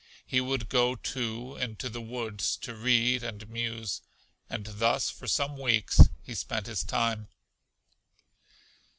He would go, too, into the woods to read and muse, and thus for some weeks he spent his time.